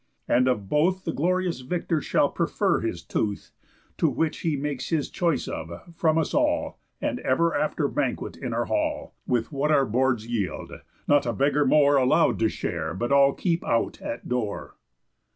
And of both The glorious victor shall prefer his tooth, To which he makes his choice of, from us all, And ever after banquet in our hall, With what our boards yield; not a beggar more Allow'd to share, but all keep out at door."